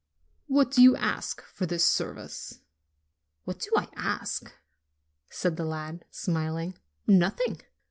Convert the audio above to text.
"What do you ask for this service?" "What do I ask?" said the lad, smiling. "Nothing.